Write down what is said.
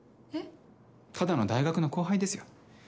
ただの大学の後輩ですよ。